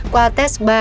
qua tết ba